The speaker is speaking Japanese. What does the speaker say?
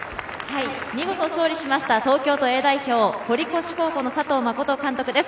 見事勝利しました東京都Ａ代表堀越高校の佐藤実監督です。